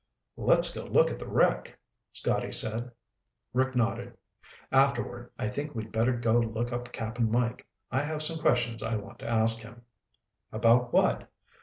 "Let's go look at the wreck," Scotty said. Rick nodded. "Afterward, I think we'd better go look up Cap'n Mike. I have some questions I want to ask him." "About what?"